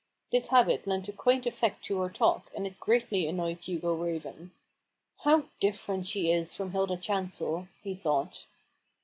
This habit lent a quaint effect to her talk, and it greatly annoyed Hugo Raven. "How different she is from Hilda Chancel," he thought.